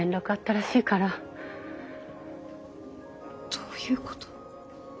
どういうこと？